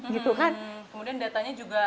kemudian datanya juga